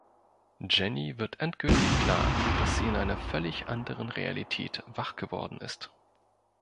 Jenny wird endgültig klar, dass sie in einer völlig anderen Realität wach geworden ist.